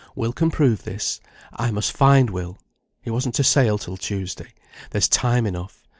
Will can prove this. I must find Will. He wasn't to sail till Tuesday. There's time enough.